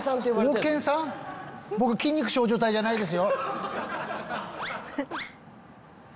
僕筋肉少女帯じゃないですよ。